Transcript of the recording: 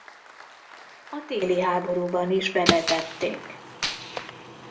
A téli háborúban is bevetették.